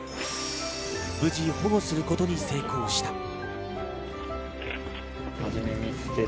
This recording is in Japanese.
無事保護することに成功した。